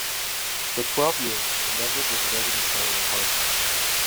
For twelve years Leverett was a resident fellow at Harvard.